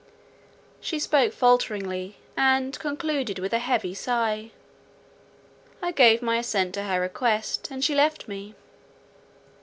She spoke falteringly, and concluded with a heavy sigh. I gave my assent to her request; and she left me.